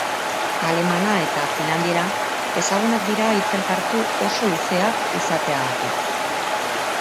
Alemana eta finlandiera ezagunak dira hitz-elkartu oso luzeak izateagatik.